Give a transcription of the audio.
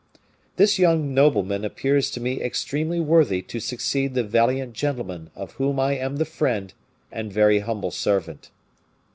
"This young nobleman appears to me extremely worthy to succeed the valiant gentleman of whom I am the friend and very humble servant."